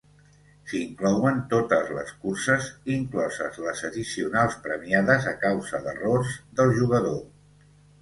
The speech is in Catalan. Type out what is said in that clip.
S'inclouen totes les curses, incloses les addicionals premiades a causa d'errors del jugador.